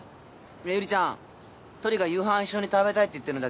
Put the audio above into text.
ねえゆりちゃんトリが夕飯一緒に食べたいって言ってるんだけどどうかな？